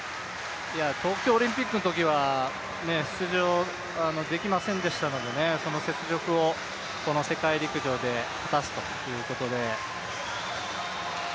東京オリンピックのときは出場できませんでしたので、その雪辱を世界陸上で果たすということで。